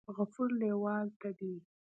غفور لیوال ته دې